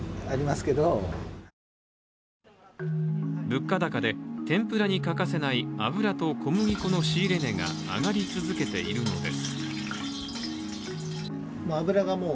物価高で天ぷらに欠かせない油と小麦粉の仕入れ値が上がり続けているのです。